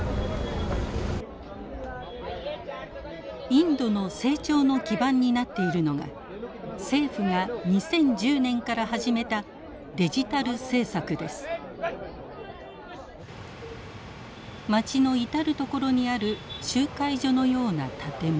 インドの成長の基盤になっているのが政府が２０１０年から始めた町の至る所にある集会所のような建物。